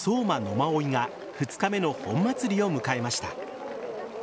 馬追が２日目の本祭りを迎えました。